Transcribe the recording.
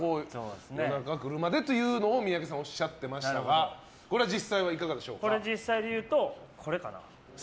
夜中、車でというのを三宅さんおっしゃっていましたがこれは実際いかがでしょうか？